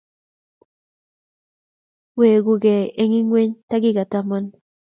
Weguke eng ingweny takika taman---